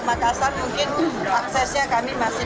dan dan mencari bank bank